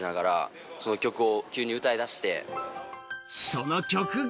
その曲が